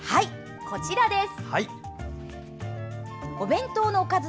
こちらです。